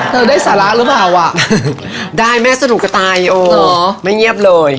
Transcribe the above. เธอได้สาระหรือเปล่าได้แม่สนุกตายไม่เงียบเลย